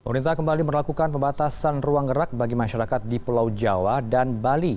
pemerintah kembali melakukan pembatasan ruang gerak bagi masyarakat di pulau jawa dan bali